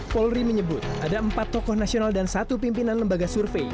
polri menyebut ada empat tokoh nasional dan satu pimpinan lembaga survei